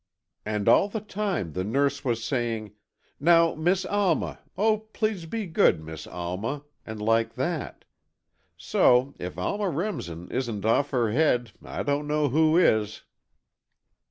And all the time the nurse was saying, 'Now, Miss Alma—oh, please be good, Miss Alma,' and like that. So, if Alma Remsen isn't off her head, I don't know who is!"